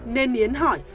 nên yến hỏi